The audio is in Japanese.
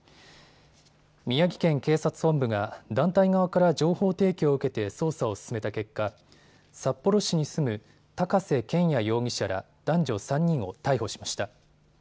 宮城県警察本部が団体側から情報提供を受けて捜査を進めた結果、札幌市に住む高瀬拳也容疑者ら男女３人を逮捕しました。